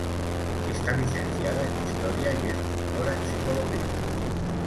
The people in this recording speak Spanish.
Está licenciada en Historia y es doctora en Psicología.